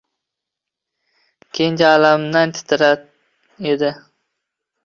Kenja alamidan titrar edi.